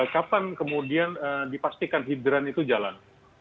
kapan kemudian dipastikan hidran itu jalan